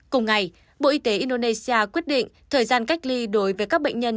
cùng ngày bộ y tế indonesia quyết định thời gian cách ly đối với các bệnh nhân